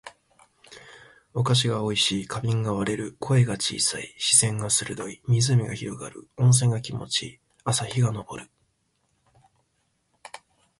お菓子が美味しい。花瓶が割れる。声が小さい。視線が鋭い。湖が広がる。温泉が気持ち良い。朝日が昇る。